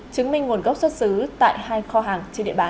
chứng minh nguồn gốc xuất xứ tại hai kho hàng